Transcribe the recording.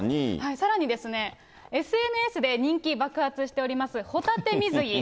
さらにＳＮＳで人気爆発しております、ホタテ水着。